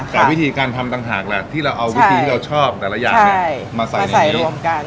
แต่วิธีการทำต่างหากแหละที่เราเอาวิธีที่เราชอบแต่ละอย่างมาใส่ในรวมกัน